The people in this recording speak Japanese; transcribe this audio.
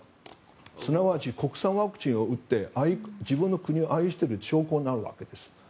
すなわち国産ワクチンを打って自分の国を愛している証拠になるわけです。